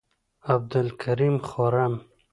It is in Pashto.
عبدالکریم خرم،